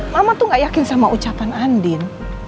mama tuh gak yakin sama ucapan andin